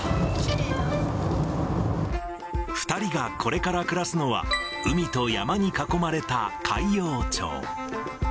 ２人がこれから暮らすのは、海と山に囲まれた海陽町。